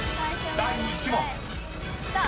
［第１問］